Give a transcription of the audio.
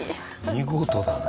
見事だね